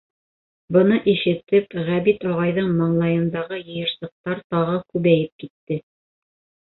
Быны ишетеп, Ғәбит ағайҙың маңлайындағы йыйырсыҡтар тағы күбәйеп китте.